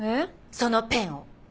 そのペンを！